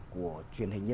của truyền hình nhé